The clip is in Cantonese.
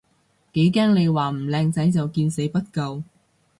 幾驚你話唔靚仔就見死不救